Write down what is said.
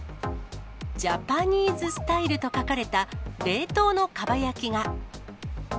ジャパニーズスタイルと書かれた冷凍のかば焼きが。